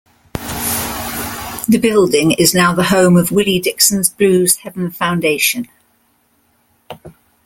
The building is now the home of Willie Dixon's Blues Heaven Foundation.